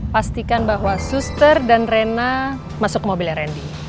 pastikan bahwa suster dan rena masuk ke mobilnya rendy